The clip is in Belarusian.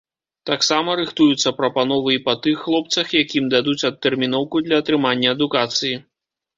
Таксама рыхтуюцца прапановы і па тых хлопцах, якім дадуць адтэрміноўку для атрымання адукацыі.